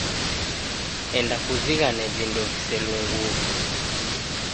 Enda kuzighane vindo viselunguo.